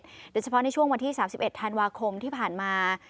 โดยเฉพาะในช่วงวันที่๓๑ธันวาคมที่ผ่านมา